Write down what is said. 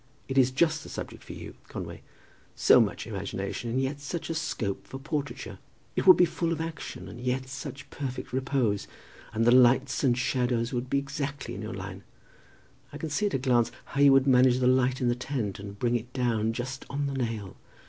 It is just the subject for you, Conway; so much imagination, and yet such a scope for portraiture. It would be full of action, and yet such perfect repose. And the lights and shadows would be exactly in your line. I can see at a glance how you would manage the light in the tent, and bring it down just on the nail.